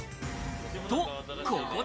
と、ここで。